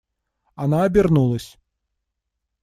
Она обернулась.